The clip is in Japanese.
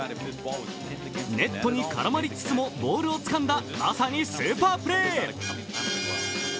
ネットに絡まりつつもボ−ルをつかんだまさにスーパープレー。